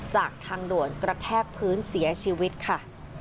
จากทางด่วนกระแทกพื้นเสียชีวิตค่ะ